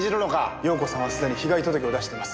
容子さんはすでに被害届を出しています。